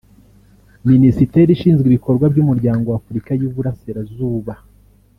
Minisiteri ishinzwe ibikorwa by’Umuryango wa Afurika y’Iburasirazuba